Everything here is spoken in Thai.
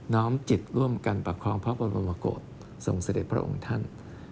้อมจิตร่วมกันประคองพระบรมโกศส่งเสด็จพระองค์ท่าน